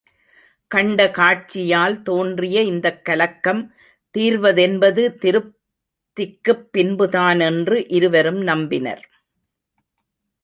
கண்ட காட்சியால் தோன்றிய இந்தக் கலக்கம் தீர்வதென்பது, திருப்திக்குப் பின்புதானென்று இருவரும் நம்பினர்.